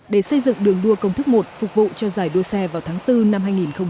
để xây dựng đường đua công thức một phục vụ cho giải đua xe vào tháng bốn năm hai nghìn hai mươi